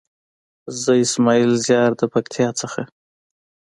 زه اسماعيل زيار د پکتيا څخه.